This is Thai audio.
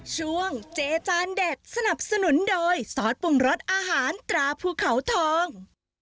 ช่วงเจจานเด็ดสนับสนุนโดยซอสปรุงรสอาหารตราภูเขาทอง